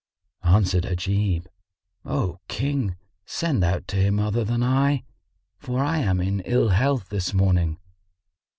Answered Ajib, "O King, send out to him other than I, for I am in ill health this morning."